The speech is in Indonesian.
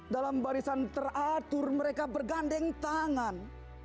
dalam barisan teratur mereka bergandeng tangan